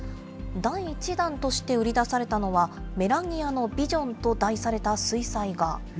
第１弾として売り出されたのは、メラニアのビジョンと題された水彩画。